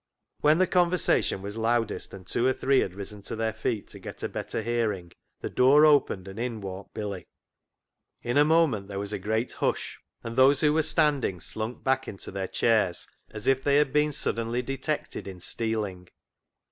When the conversation was loudest, and two or three had risen to their feet to get a better hearing, the door opened and in walked Billy. In a moment there was a great hush, and those who were standing slunk back into their chairs as if they had been suddenly detected in stealing.